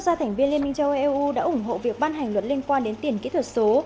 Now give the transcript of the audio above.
các gia thành viên liên minh châu âu đã ủng hộ việc ban hành luật liên quan đến tiền kỹ thuật số